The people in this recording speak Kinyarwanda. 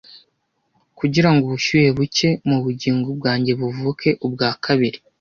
kugira ngo ubushyuhe buke mu bugingo bwanjye buvuke ubwa kabiri